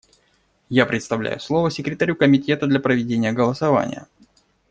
Я предоставляю слово секретарю Комитета для проведения голосования.